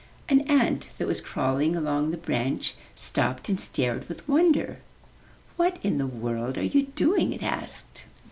An ant that was crawling along the branch stopped and stared with wonder. ''What in the world are you doing?'' it asked.